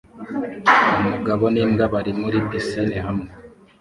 Umugabo n'imbwa bari muri pisine hamwe